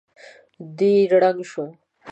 دی ړنګ شو.